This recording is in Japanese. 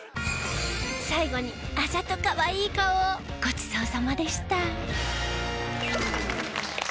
最後にあざとかわいい顔をごちそうさまでした。